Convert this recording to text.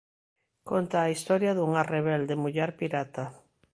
Conta a historia dunha "rebelde muller pirata".